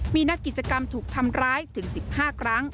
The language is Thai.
มีนักกิจกรรมถูกทำร้ายถึง๑๕ครั้ง